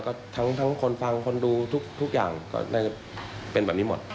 ก็ทั้งคนฟังคนดูทุกอย่างก็ได้เป็นแบบนี้หมด